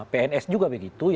pns juga begitu